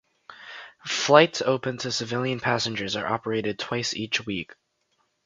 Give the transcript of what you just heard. Flights open to civilian passengers are operated twice each week.